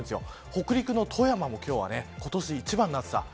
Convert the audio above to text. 北陸や富山も今年一番の暑さ。